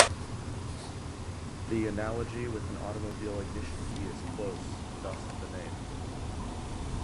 The analogy with an automobile ignition key is close, thus the name.